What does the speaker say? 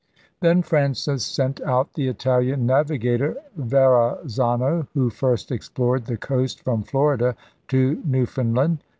Then Francis sent out the Itahan navigator Verrazano, who first explored the coast from Florida to Newfoundland.